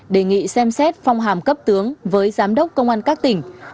đề nghị xem xét phong hàm cấp tướng với giám đốc công an các tỉnh